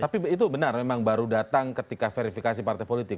tapi itu benar memang baru datang ketika verifikasi partai politik